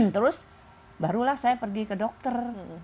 terus barulah saya pergi ke dokter